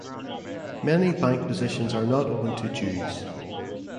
Many bank positions are not open to Jews.